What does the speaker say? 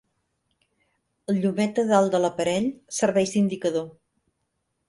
El llumet de dalt de l'aparell serveix d'indicador.